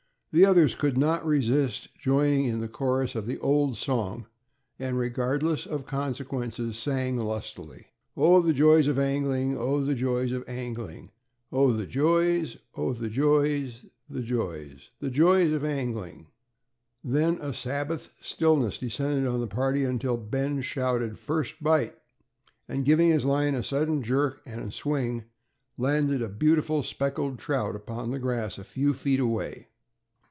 The others could not resist joining in the chorus of the old song, and regardless of consequences sang lustily: "Oh, the joys of angling! Oh, the joys of angling! Oh, the joys, oh, the joys, The joys, the joys of angling." Then a Sabbath stillness descended on the party, until Ben shouted, "first bite," and giving his line a sudden jerk and swing, landed a beautiful speckled trout upon the grass a few feet away.